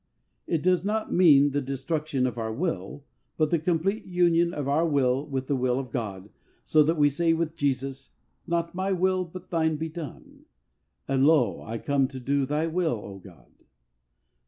It does not mean the destruction of our will, but the complete union of our will with the will of God, so that we say with Jesus ;" Not my will, but Thine be done," and " Lo, I come to do Thy will, O God."